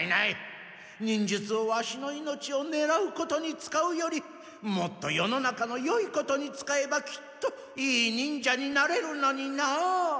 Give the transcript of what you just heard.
忍術をワシの命をねらうことに使うよりもっと世の中のよいことに使えばきっといい忍者になれるのになあ！